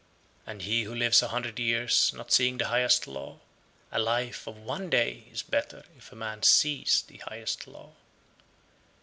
115. And he who lives a hundred years, not seeing the highest law, a life of one day is better if a man sees the highest law.